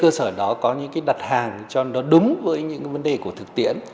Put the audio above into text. cơ sở đó có những cái đặt hàng cho nó đúng với những vấn đề của thực tiễn